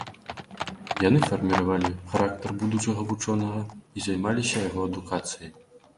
Яны фарміравалі характар будучага вучонага і займаліся яго адукацыяй.